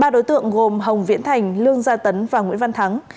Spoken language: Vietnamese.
ba đối tượng gồm hồng viễn thành lương gia tấn và nguyễn văn thắng